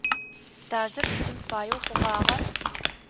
Тазыр шъутын фаеу хъугъагъа?